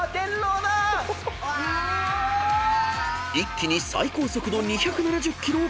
［一気に最高速度２７０キロを記録］